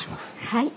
はい。